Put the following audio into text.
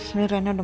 ini rene udah